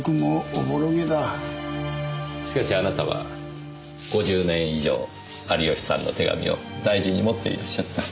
しかしあなたは５０年以上有吉さんの手紙を大事に持っていらっしゃった。